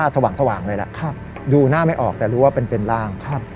สว่างสว่างเลยล่ะครับดูหน้าไม่ออกแต่รู้ว่าเป็นเป็นร่างครับ